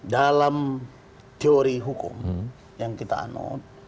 dalam teori hukum yang kita anut